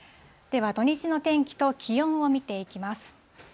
では、土日の天気と気温を見ていきます。